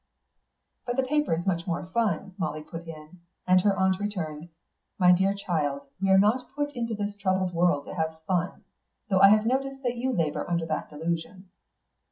"But the paper's much more fun," Molly put in, and her aunt returned, "My dear child, we are not put into this troubled world to have fun, though I have noticed that you labour under that delusion."